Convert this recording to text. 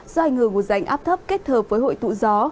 do anh hưởng một giành áp thấp kết hợp với hội tụ gió